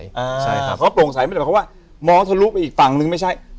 เพราะโปร่งใสไม่ได้บอกว่ามองทะลุไปอีกฝั่งหนึ่งไม่ใช่